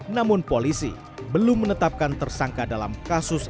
namun polisi belum menetapkan tersangka dalam kasus al zaitun